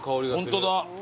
ホントだ。